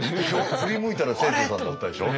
振り向いたら清張さんだったでしょ。